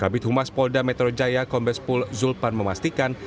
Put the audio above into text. kabit humas polda metro jaya kombes pul zulpan memastikan